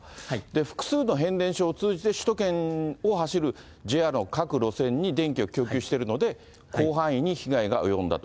複数の変電所を通じて、首都圏を走るＪＲの各路線に電気を供給してるので、広範囲に被害が及んだと。